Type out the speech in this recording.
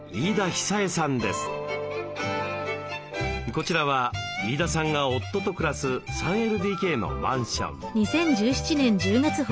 こちらは飯田さんが夫と暮らす３ＬＤＫのマンション。